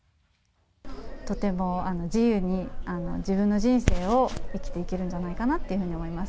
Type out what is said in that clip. とても自由に自分の人生を生きていけるんじゃないかなって思います。